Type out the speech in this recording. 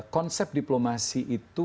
konsep diplomasi itu